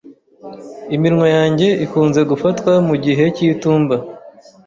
Iminwa yanjye ikunze gufatwa mugihe cy'itumba.